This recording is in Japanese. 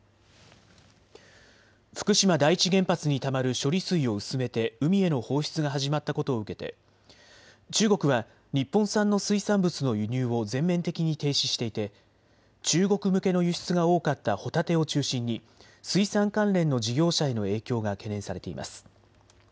福島第一原発にたまる処理水を薄めて海への放出が始まったことを受けて中国は日本産の水産物の輸入を全面的に停止していて中国向けの輸出が多かったホタテを中心に水産関連の事業者への影響が懸念されています。